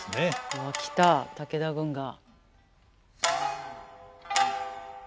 うわ来た武田軍が。